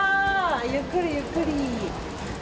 ゆっくり、ゆっくり。